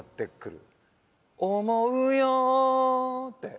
「思うよ」って。